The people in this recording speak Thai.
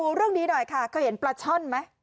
เรื่องนี้หน่อยค่ะเคยเห็นปลาช่อนไหม